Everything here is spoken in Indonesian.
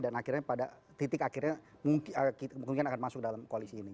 dan akhirnya pada titik akhirnya mungkin akan masuk dalam koalisi ini